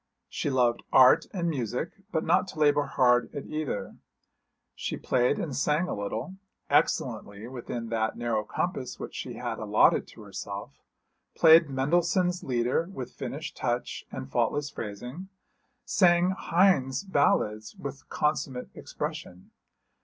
She loved art and music, but not to labour hard at either. She played and sang a little excellently within that narrow compass which she had allotted to herself played Mendelssohn's 'Lieder' with finished touch and faultless phrasing, sang Heine's ballads with consummate expression.